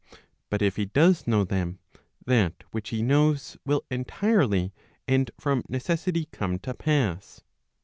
But if he does know them, that which he knows will entirely and from necessity come to pass.